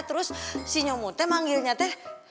terus si nyomutnya manggilnya teteh